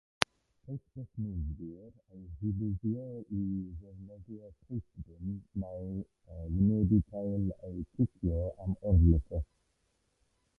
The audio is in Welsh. Caiff defnyddwyr eu rhybuddio i ddefnyddio "pastebin" neu wynebu cael eu "cicio" am "orlifo".